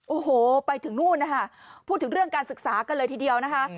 โอ้โหไปถึงนู่นนะคะพูดถึงเรื่องการศึกษากันเลยทีเดียวนะคะ